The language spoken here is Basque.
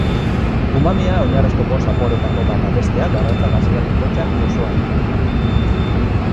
Umamia oinarrizko bost zaporeetako bat da, besteak garratza, gazia, mingotsa, gozoa dira.